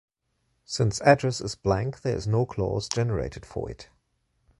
Since "Address" is blank, there is no clause generated for it.